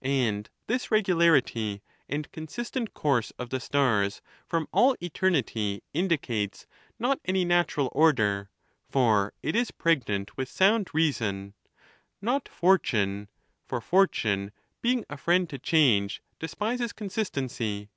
And this reg ularity and consistent course of the stars from all eterni ty indicates not any natural order, for it is pregnant with sound reason, not fortune (for fortune, being a friend to change, despises consistency).